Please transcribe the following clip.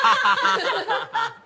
ハハハハハ！